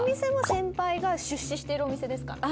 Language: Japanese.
先輩が出資しているお店ですから。